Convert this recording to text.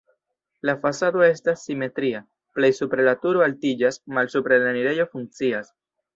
La fasado estas simetria, plej supre la turo altiĝas, malsupre la enirejo funkcias.